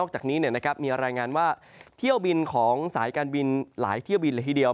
แล้วมีรายงานมีรายงานมีที่เที่ยวบินของสายการบินหลายระยะทีเดียว